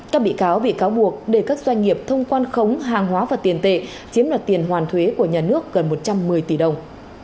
các bị cáo bị cáo buộc để các doanh nghiệp thông quan khống hàng hóa và tiền tệ chiếm đoạt tiền hoàn thuế của nhà nước gần một trăm một mươi tỷ đồng